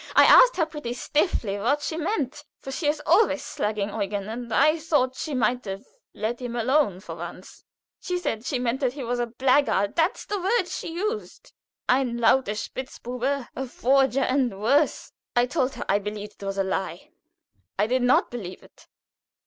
I asked her pretty stiffly what she meant, for she is always slanging Eugen, and I thought she might have let him alone for once. She said she meant that he was a blackguard that's the word she used ein lauter Spitzbube a forger, and worse. I told her I believed it was a lie. I did not believe it.